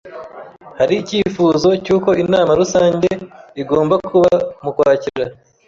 Hari icyifuzo cy'uko inama rusange igomba kuba mu Kwakira